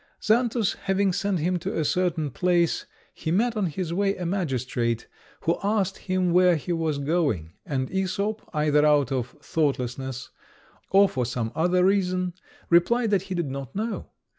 Xantus having sent him to a certain place, he met on his way a magistrate, who asked him where he was going; and Æsop, either out of thoughtlessness or for some other reason, replied that he did not know.